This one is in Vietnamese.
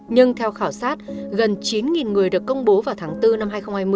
nhưng theo khảo sát gần chín người được công bố vào tháng bốn năm hai nghìn hai mươi